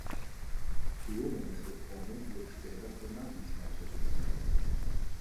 Kleomenes' Reformen wurden später von Nabis weitergeführt.